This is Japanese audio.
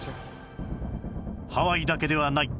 ハワイだけではない